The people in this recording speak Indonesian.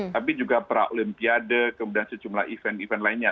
tapi juga para olimpiade kemudian sejumlah event event lainnya